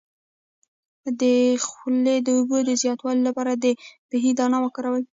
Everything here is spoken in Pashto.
د خولې د اوبو د زیاتوالي لپاره د بهي دانه وکاروئ